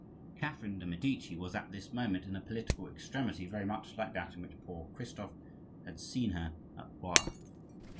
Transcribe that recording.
Catherine de' Medici was at this moment in a political extremity very much like that in which poor Christophe had seen her at Blois.